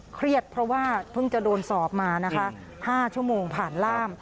เครียดเพราะว่าเพิ่งจะโดนสอบมานะคะ๕ชั่วโมงผ่านล่าม